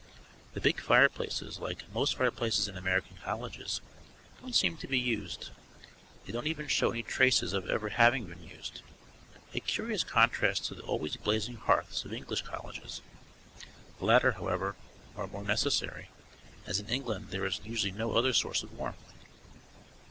The big fireplaces, like most fireplaces in American colleges, don't seem to be used. They don't even show any traces of ever having been used, a curious contrast to the always blazing hearths of English colleges. The latter, however, are more necessary, as in England there is usually no other source of warmth.